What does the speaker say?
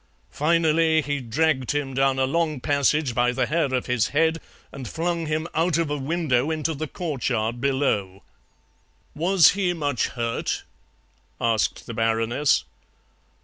Finally, he dragged him down a long passage by the hair of his head and flung him out of a window into the courtyard below." "Was he much hurt?" asked the Baroness.